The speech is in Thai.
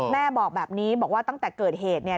แม่บอกแบบนี้บอกว่าตั้งแต่เกิดเหตุเนี่ย